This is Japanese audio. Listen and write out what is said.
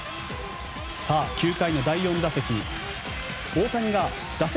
９回の第４打席。